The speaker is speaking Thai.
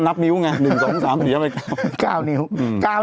นับนิ้วไง๑๒๓เดี๋ยวจะเป็น๙